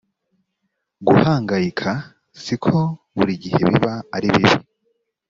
guhangayika si ko buri gihe biba ari bibi